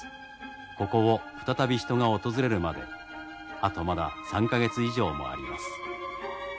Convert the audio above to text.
ここを再び人が訪れるまであとまだ３か月以上もあります。